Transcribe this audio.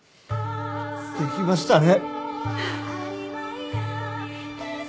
できましたね！